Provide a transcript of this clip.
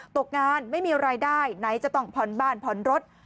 ตกงานไม่มีอะไรได้ไหนจะต้องพรบ้านพรรด